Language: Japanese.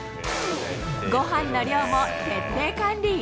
ごはんの量も徹底管理。